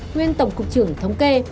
nguyên tổng cục trưởng thống kê